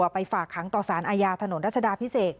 ไปฝากขังต่อสารอาญาถนนรัชดาพิเศษ